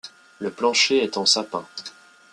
Le plancher est en sapin.